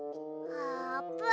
あーぷん！